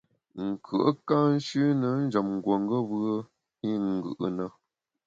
Nkùe’ ka nshüne njem nguongeb’e i ngù’ na.